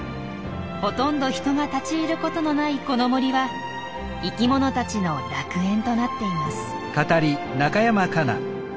ほとんど人が立ち入ることのないこの森は生きものたちの楽園となっています。